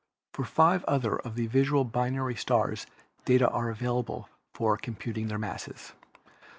For five other of the visual binary stars data are avail able for computing their masses.